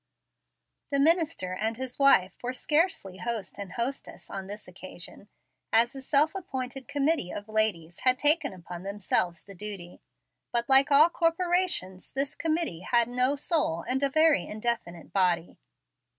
The minister and his wife were scarcely host and hostess on this occasion, as a self appointed committee of ladies had taken upon themselves the duty; but, like all corporations, this committee had no soul and a very indefinite body.